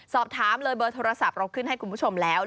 สอบถามเลยเบอร์โทรศัพท์เราขึ้นให้คุณผู้ชมแล้ว